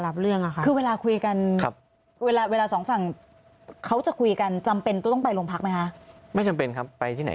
แล้วมีตำรวจมานั่งคุยด้วยไหมมีค่ะ